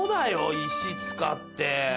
石使って。